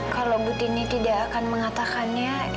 kalau bu tini tidak akan mengatakannya